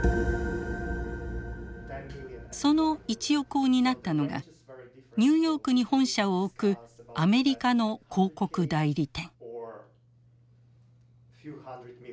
その一翼を担ったのがニューヨークに本社を置くアメリカの広告代理店。